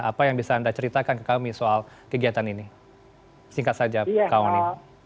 apa yang bisa anda ceritakan ke kami soal kegiatan ini singkat saja kang onim